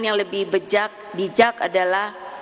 yang lebih bijak adalah